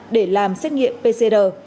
để làm xét nghiệm pcr